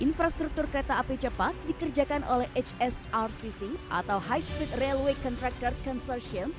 infrastruktur kereta api cepat dikerjakan oleh hsrcc atau high speed railway contractor consortium